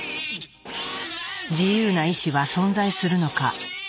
自由な意志は存在するのか？